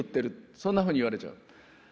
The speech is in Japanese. そんなふうに言われちゃう。